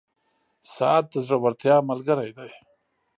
• ساعت د زړورتیا ملګری دی.